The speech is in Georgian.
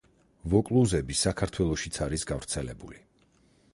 ვოკლუზები საქართველოშიც არის გავრცელებული.